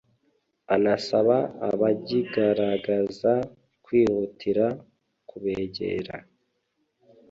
anasaba abagigaragaza kwihutira kubegera